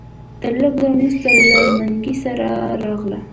تر لږ ځنډ وروسته له منګلي سره راغله.